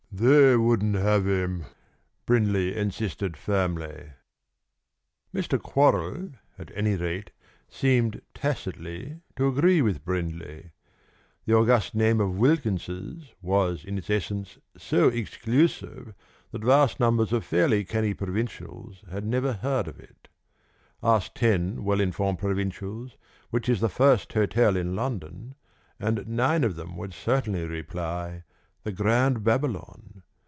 "They wouldn't have him!" Brindley insisted firmly. Mr. Quorrall at any rate seemed tacitly to agree with Brindley. The august name of Wilkins's was in its essence so exclusive that vast numbers of fairly canny provincials had never heard of it. Ask ten well informed provincials which is the first hotel in London, and nine of them would certainly reply, the Grand Babylon.